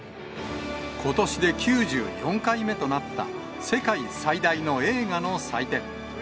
ことしで９４回目となった世界最大の映画の祭典。